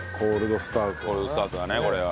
コールドスタートだねこれは。